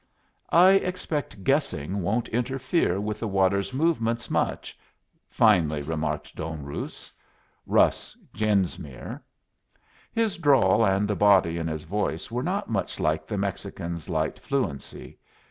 "I expect guessing won't interfere with the water's movements much," finally remarked Don Ruz Russ Genesmere. His drawl and the body in his voice were not much like the Mexican's light fluency.